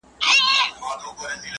ځان له د خپل ارمان ګوګل کښې اوسم